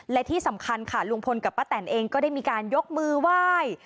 และที่สำคัญค่ะลุงพลกับป้าแตนเองก็ได้มีการยกมือไหว้